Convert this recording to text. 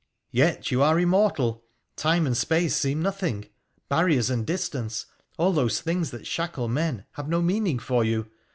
' Yet you are immortal ; time and space seem nothing ; barriers and distance — all those things that shackle men — have no meaning for you.